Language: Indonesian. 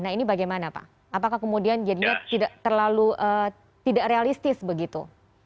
nah ini bagaimana pak apakah kemudian jadinya tidak terlalu tidak realistis begitu